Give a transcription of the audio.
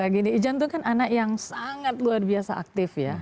gini ijan itu kan anak yang sangat luar biasa aktif ya